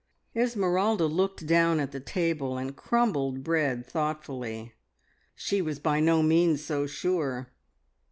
Esmeralda looked down at the table and crumbled bread thoughtfully. She was by no means so sure.